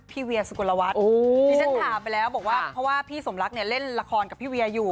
เวียสุกลวัฒน์ที่ฉันถามไปแล้วบอกว่าเพราะว่าพี่สมรักเนี่ยเล่นละครกับพี่เวียอยู่